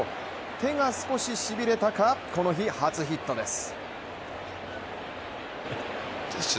手が少ししびれたか、この日、初ヒットです。